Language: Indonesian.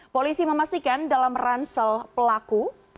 polisi memastikan dalam ransel pelaku